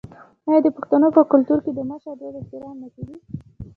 آیا د پښتنو په کلتور کې د مشر ورور احترام نه کیږي؟